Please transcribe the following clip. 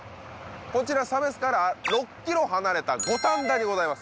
こちら鮫洲から６ｋｍ離れた五反田にございます